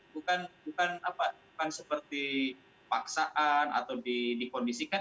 bukan seperti paksaan atau dikondisikan